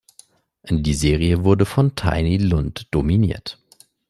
Die Serie wurde von Tiny Lund dominiert.